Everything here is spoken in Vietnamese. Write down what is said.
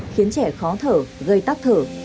khiến trẻ khó thở gây tắc thở